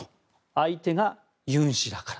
相手がユン氏だから。